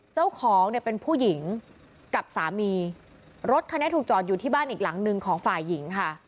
เจ้าของเนี่ยเป็นผู้หญิงกับสามีรถคันนี้ถูกจอดอยู่ที่บ้านอีกหลังหนึ่งของฝ่ายหญิงค่ะ